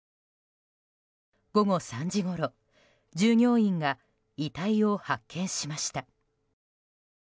午後３時ごろ、従業員が遺体を発見しました。